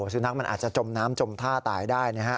สุนัขมันอาจจะจมน้ำจมท่าตายได้นะฮะ